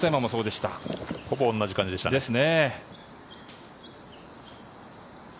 ほぼ同じ感じでしたね。